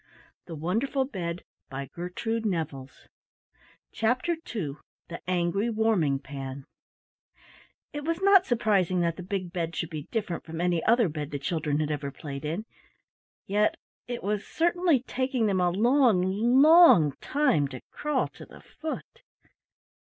"Then in we go!" CHAPTER II THE ANGRY WARMING PAN It was not surprising that the big bed should be different from any other bed the children had ever played in, yet it was certainly taking them a long, long time to crawl to the foot!